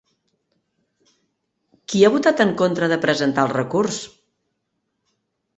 Qui ha votat en contra de presentar el recurs?